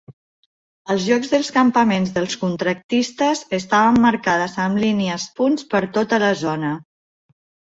Els llocs dels campaments dels contractistes estaven marcades amb línies punts per tota la zona.